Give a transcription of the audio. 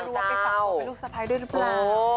รัวไปฝังรัวไปลูกสะพายด้วยรึเปล่า